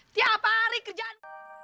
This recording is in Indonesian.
tiap hari kerjaan